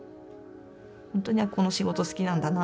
本当にこの仕事好きなんだな